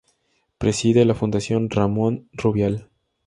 Preside la Fundación Ramón Rubial.